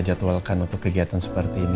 jadwalkan untuk kegiatan seperti ini